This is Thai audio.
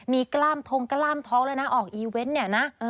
มีกล้ามทงกล้ามท้องแล้วนะออกอีเวนต์เนี่ยนะ